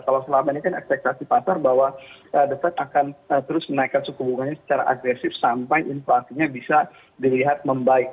kalau selama ini kan ekspektasi pasar bahwa the fed akan terus menaikkan suku bunganya secara agresif sampai inflasinya bisa dilihat membaik